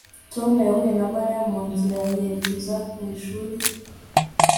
Tom yahuye na Mariya mu nzira yerekeza ku ishuri FeuDRenais